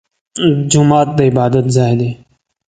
جومات د عبادت ځای دی